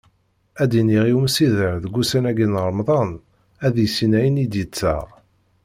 Ad d-iniɣ i umsider deg ussan-agi n Remḍan, ad yissin ayen i d-yettaɣ.